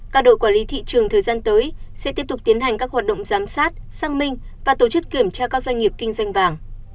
các đội quản lý thị trường thời gian tới sẽ tiếp tục tiến hành các hoạt động giám sát xăng minh và tổ chức kiểm tra các doanh nghiệp kinh doanh vàng